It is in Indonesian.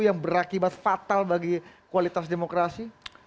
yang berakibat fatal bagi kualitas demokrasi